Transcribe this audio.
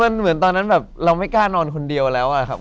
มันเหมือนตอนนั้นแบบเราไม่กล้านอนคนเดียวแล้วอะครับ